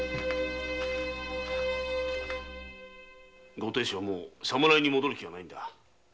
ご亭主はもう侍に戻る気はないんだ。